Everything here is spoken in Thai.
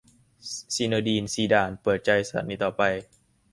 ซีเนอดีน ซีดาน เปิดใจ สถานีต่อไป